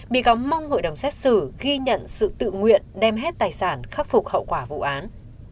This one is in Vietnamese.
bị góng mong hội đồng xét xử ghi nhận sự tự nguyện đem hết tài sản khắc phục hậu quả vụ án